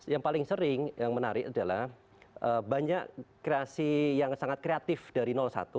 yang paling sering yang menarik adalah banyak kreasi yang sangat kreatif dari satu